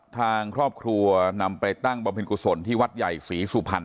ทางครอบครัวนำไปตั้งบำเพ็ญกุศลที่วัดใหญ่ศรีสุพรรณ